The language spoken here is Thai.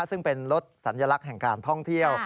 ซึ่งเป็นรถสัญลักษณ์แห่งการท่องเที่ยว